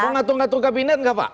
mau ngatur ngatur kabinet enggak pak